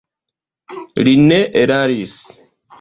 Li ne eraris.